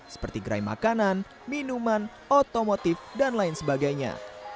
seperti gerai makanan minuman otomotif dan lain sebagainya